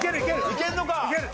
いけるのか？